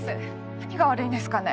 何が悪いんですかね